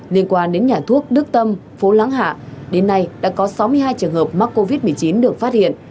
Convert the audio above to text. liên quan đến nhà thuốc đức tâm phố láng hạ đến nay đã có sáu mươi hai trường hợp mắc covid một mươi chín được phát hiện